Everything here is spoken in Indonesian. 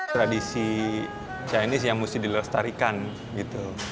tradisi chinese yang mesti dilestarikan gitu